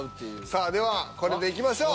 さあではこれでいきましょう。